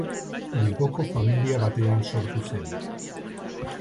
Bilboko familia batean sortu zen.